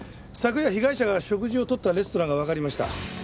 昨夜被害者が食事をとったレストランがわかりました。